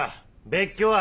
別居は？